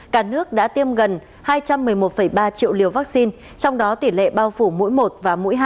cả nước đã tiêm gần hai trăm một mươi một ba triệu liều vaccine trong đó tỷ lệ bao phủ mỗi một và mũi hai